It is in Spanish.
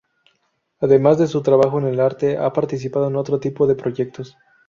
Además de su trabajo en el arte, ha participado en otro tipo de proyectos.